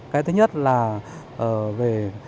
cái thứ nhất là về